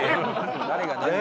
誰が何を。